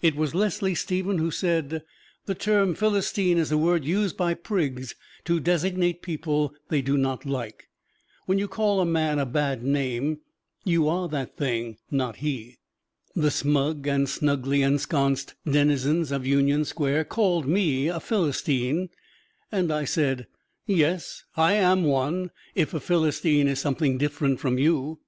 It was Leslie Stephen who said, "The term Philistine is a word used by prigs to designate people they do not like." When you call a man a bad name, you are that thing not he. The Smug and Snugly Ensconced Denizens of Union Square called me a Philistine, and I said, "Yes, I am one, if a Philistine is something different from you."